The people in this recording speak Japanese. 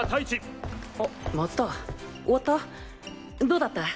どうだった？